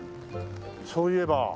そういえば。